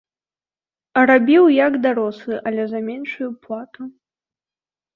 Рабіў як дарослы, але за меншую плату.